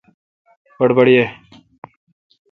بڑبڑ یہ